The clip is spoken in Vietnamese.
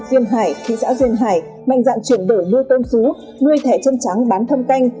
duyên hải thị xã duyên hải mạnh dạng chuyển đổi nuôi tôm sú nuôi thẻ chân trắng bán thâm canh